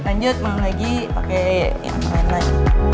lanjut mau lagi pakai yang lain lagi